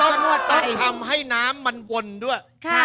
ต้องทำให้น้ำมันวนด้วย